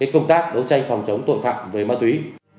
công tác đấu tranh phòng chống tội phạm về ma túy